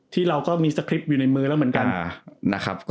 ที่เราก็มีสคริปต์อยู่ในมือแล้วเหมือนกันนะครับ